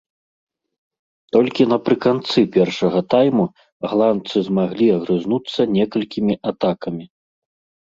Толькі напрыканцы першага тайму галандцы змаглі агрызнуцца некалькімі атакамі.